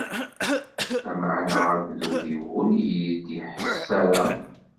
Lameɛna agdud-iw ur iyi-d-iḥess ara.